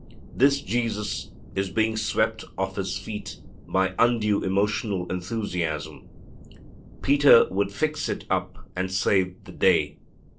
This Jesus is being swept off His feet by undue emotional enthusiasm. Peter would fix it up and save the day.